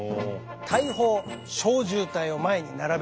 大砲小銃隊を前に並べてだな